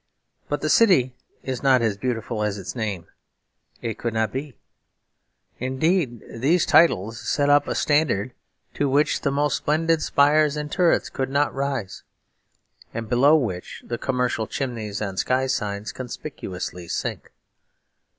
But the city is not as beautiful as its name; it could not be. Indeed these titles set up a standard to which the most splendid spires and turrets could not rise, and below which the commercial chimneys and sky signs conspicuously sink.